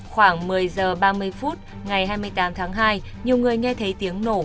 khoảng một mươi h ba mươi phút ngày hai mươi tám tháng hai nhiều người nghe thấy tiếng nổ